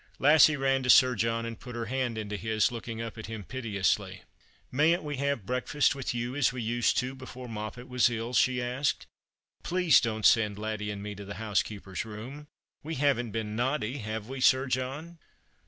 Lassie ran to Sir John and put her hand into his, looking up at him piteously. "Mayn't we have breakfast with you, as we used to before Moppet was ill ?" she asked. " Please don't send Laddie and me to the housekeeper's room. We haven't been naughty, have we, Sir John